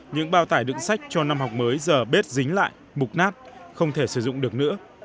những bao tải đựng sách cho năm học mới giờ bết dính lại mục nát không thể sử dụng được nữa